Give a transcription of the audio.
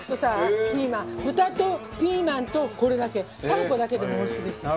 豚とピーマンとこれだけ３個だけでもおいしくできちゃう。